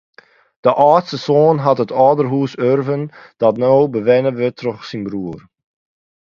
De âldste soan hat it âldershûs urven dat no bewenne wurdt troch syn broer.